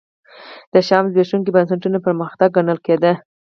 د شیام زبېښونکي بنسټونه پرمختګ ګڼل کېده.